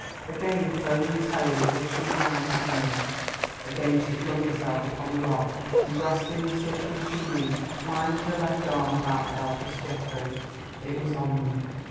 Again the foaming terror was rushing down upon them; again she flung herself upon the rock and grasping the slippery seaweed twined her left arm about the helpless Geoffrey. It was on them.